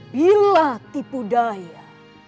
bila tipu daya